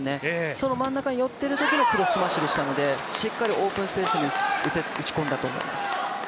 その真ん中に寄っているときのクロススマッシュでしたので、しっかりオープンスペースに打ち込んだと思います。